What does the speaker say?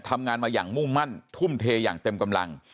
ทำงานมาอย่างมุ่งมั่นทุ่มเทอย่างเต็มกำลัง